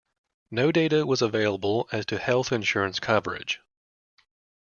No data was available as to health insurance coverage.